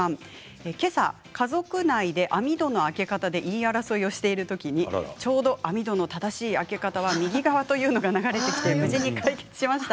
けさ家族内で網戸の開け方で言い争いをしているときにちょうど網戸の正しい開け方は右側というのが流れてきて無事に解決しました。